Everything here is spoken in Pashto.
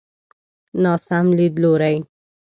ناسم ليدلوری.